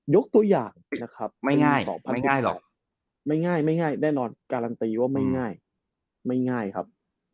ยกตัวอย่างนะครับไม่ง่ายหรอกไม่ง่ายไม่ง่ายแน่นอนการันตีว่าไม่ง่ายไม่ง่ายครับ